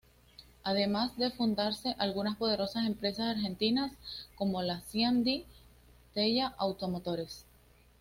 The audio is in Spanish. Además de fundarse algunas poderosas empresas argentinas, como la Siam Di Tella Automotores.